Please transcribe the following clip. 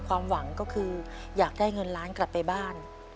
ความหวังก็คืออยากได้เงินล้านกลับไปบ้าน